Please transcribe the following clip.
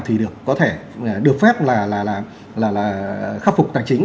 thì có thể được phép là khắc phục tài chính